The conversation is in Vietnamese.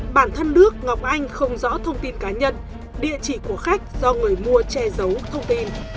bản thân nước ngọc anh không rõ thông tin cá nhân địa chỉ của khách do người mua che giấu thông tin